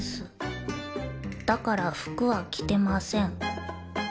だからふくはきてません。